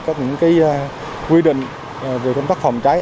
các quy định về công tác phòng cháy